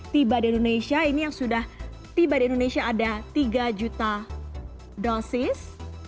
tiba di indonesia ini yang sudah tiba di indonesia ada tiga juta dosis